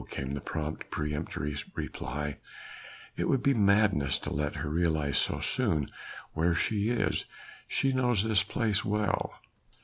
came the prompt, peremptory reply, "it would be madness to let her realize so soon where she is. She knows this place well."